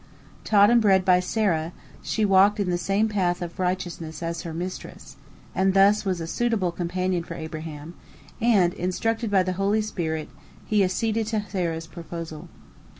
Taught and bred by Sarah, she walked in the same path of righteousness as her mistress, and thus was a suitable companion for Abraham, and, instructed by the holy spirit, he acceded to Sarah's proposal.